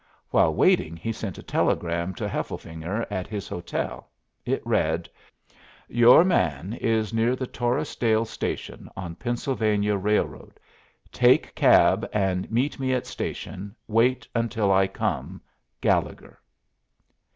While waiting he sent a telegram to Hefflefinger at his hotel. It read: Your man is near the Torresdale station, on Pennsylvania Railroad; take cab, and meet me at station. Wait until I come. Gallegher.